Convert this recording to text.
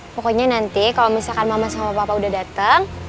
pokoknya nanti kalau misalkan mama sama papa udah datang